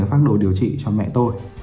pháp đồ điều trị cho mẹ tôi